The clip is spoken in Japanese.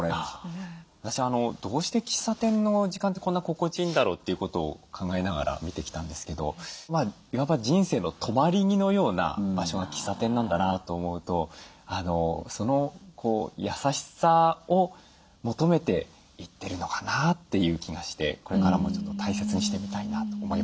私はどうして喫茶店の時間ってこんな心地いいんだろうということを考えながら見てきたんですけどいわば人生の止まり木のような場所が喫茶店なんだなと思うとその優しさを求めて行ってるのかなっていう気がしてこれからもちょっと大切にしてみたいなと思いました。